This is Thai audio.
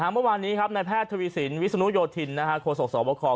เมื่อวานนี้ครับในแพทย์ทวีสินวิศนุโยธินโคศกสวบค